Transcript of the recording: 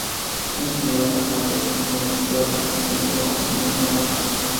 En su primera portada, de hecho, asoma la figura del argentino Diego Armando Maradona.